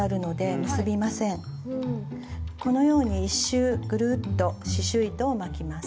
このように１周ぐるっと刺しゅう糸を巻きます。